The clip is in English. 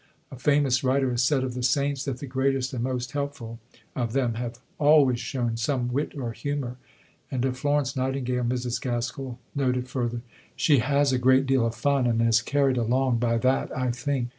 A famous writer has said of the saints, that the greatest and most helpful of them have always shown some wit or humour; and of Florence Nightingale Mrs. Gaskell noted further: "She has a great deal of fun, and is carried along by that, I think.